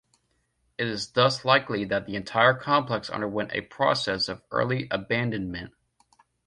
It is thus likely that the entire complex underwent a process of early abandonment.